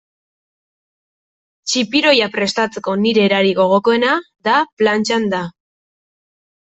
Txipiroia prestatzeko nire erarik gogokoena da plantxan da.